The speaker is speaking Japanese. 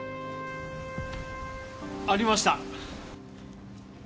ありました。